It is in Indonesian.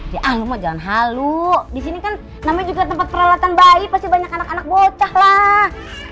ya ah luma jangan halu disini kan namanya juga tempat peralatan bayi pasti banyak anak anak bocah lah